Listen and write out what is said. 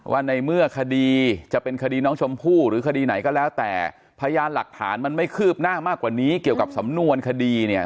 ว่าในเมื่อคดีจะเป็นคดีน้องชมพู่หรือคดีไหนก็แล้วแต่พยานหลักฐานมันไม่คืบหน้ามากกว่านี้เกี่ยวกับสำนวนคดีเนี่ย